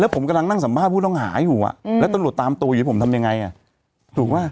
แล้วผมกำลังนั่งสำบครภ์ผู้ต้องหาอยู่อ่ะแล้วตัวหนุ่มตามตัวอยู่ผมทำยังไงอ่ะถูกปะ